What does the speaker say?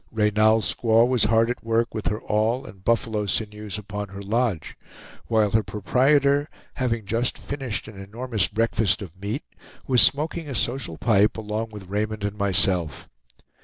Reynal's squaw was hard at work with her awl and buffalo sinews upon her lodge, while her proprietor, having just finished an enormous breakfast of meat, was smoking a social pipe along with Raymond and myself.